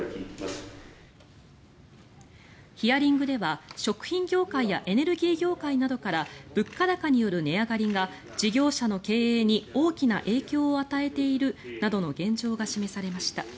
ヒアリングでは食品業界やエネルギー業界などから物価高による値上がりが事業者の経営に大きな影響を与えているなどの現状が示されました。